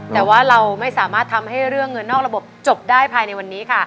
แต่ว่าเราไม่สามารถทำให้เรื่องเงินนอกระบบจบได้ภายในวันนี้ค่ะ